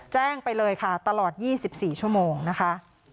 แจ้งไปเลยค่ะตลอด๒๔ชั่วโมงนะคะ